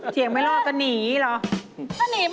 เฉียงกันใครชนะ